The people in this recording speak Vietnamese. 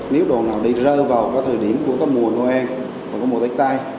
nếu đồn nào đi rơ vào có thời điểm của mùa noel và mùa tết tài